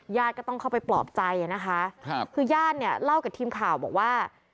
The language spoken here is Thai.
ญาติก็ต้องเข้าไปปลอบใจนะคะครับคือญาติเนี่ยเล่ากับทีมข่าวบอกว่า